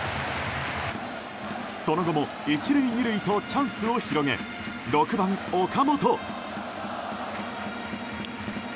その後も１塁２塁とチャンスを広げ６番、岡本。